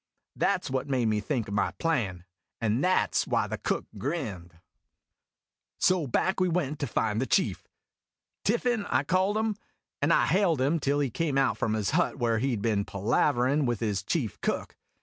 That 's what made me think of my plan, and that 's why the Cook grinned. A YARN OF SAILOR BENS 221 So back we went to find the chief, Tiffin, I called him, and I hailed him till he came out from his hut where he 'd been palaverin' with his chief cook.